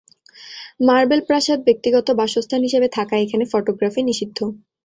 Marble প্রাসাদ ব্যক্তিগত বাসস্থান হিসেবে থাকায়, এখানে ফটোগ্রাফি নিষিদ্ধ।